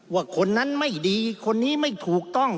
ว่าคนนั้นไม่ดีคนนี้ไม่ถูกต้อง